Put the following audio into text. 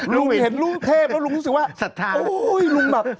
ลุงเห็นรูปเทพแล้วลุงรู้สึกว่าโอ้โฮลุงแบบ